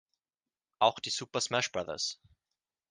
Auch die "Super Smash Bros.